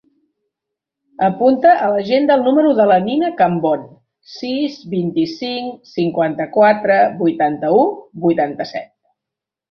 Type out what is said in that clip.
Apunta a l'agenda el número de la Nina Cambon: sis, vint-i-cinc, cinquanta-quatre, vuitanta-u, vuitanta-set.